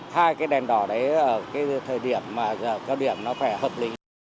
hai cái đèn đỏ đấy ở cái thời điểm mà giờ cao điểm nó phải hợp lý